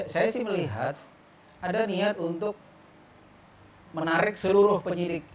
saya sih melihat ada niat untuk menarik seluruh penyidik